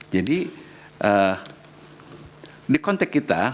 jadi di kontek kita